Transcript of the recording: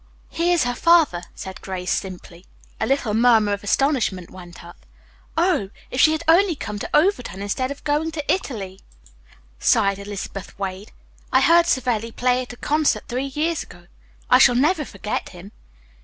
"He is her father," said Grace simply. A little murmur of astonishment went up. "Oh, if she had only come to Overton instead of going to Italy!" sighed Elizabeth Wade. "I heard Savelli play at a concert three years ago. I shall never forget him."